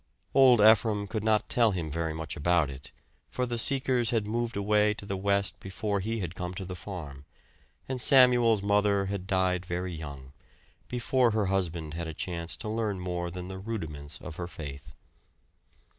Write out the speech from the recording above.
Old Ephraim could not tell him very much about it, for the Seekers had moved away to the West before he had come to the farm; and Samuel's mother had died very young, before her husband had a chance to learn more than the rudiments of her faith.